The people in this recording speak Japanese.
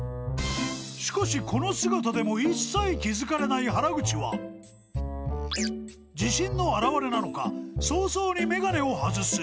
［しかしこの姿でも一切気付かれない原口は自信の表れなのか早々に眼鏡を外す］